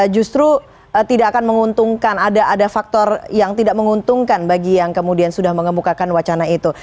justru tidak akan menguntungkan ada faktor yang tidak menguntungkan bagi yang kemudian sudah mengemukakan wacana itu